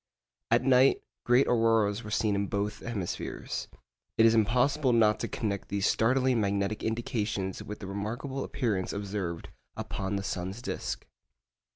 At night great auroras were seen in both hemispheres. It is impossible not to connect these startling magnetic indications with the remarkable appearance observed upon the sun's disc.